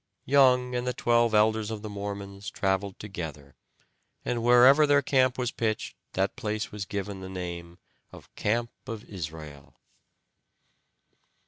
Young and the twelve elders of the Mormons traveled together, and wherever their camp was pitched that place was given the name of "Camp of Israel."